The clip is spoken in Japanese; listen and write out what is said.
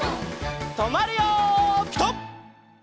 とまるよピタ！